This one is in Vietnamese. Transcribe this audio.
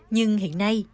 nhưng hiện nay